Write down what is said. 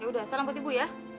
ya udah salam buat ibu ya